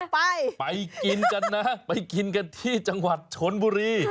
ไปไปกินกันนะไปกินกันที่จังหวัดชนบุรี